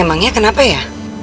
memangnya kenapa ya